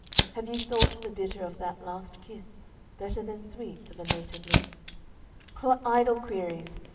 Have you thought the bitter of that last kiss Better than sweets of a later bliss? What idle queries!